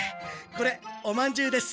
これおまんじゅうです！